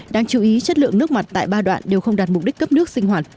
đáng chú ý chất lượng nước mặt tại ba đoạn đều không đạt mục đích cấp nước sinh hoạt